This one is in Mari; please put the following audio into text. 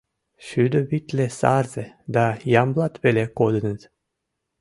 Шӱдӧ витле сарзе да Ямблат веле кодыныт.